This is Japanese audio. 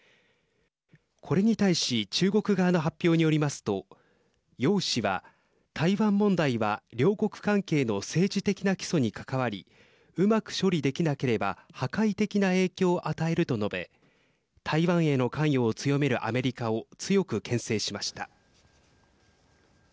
これに対し中国側の発表によりますと楊氏は台湾問題は両国関係の政治的な基礎に関わりうまく処理できなければ破壊的な影響を与えると述べ台湾への関与を強めるアメリカを強くけん制しました。